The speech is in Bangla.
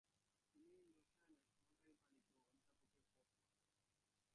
তিনি রসায়নের সহকারী পালিত অধ্যাপকের পদ পান।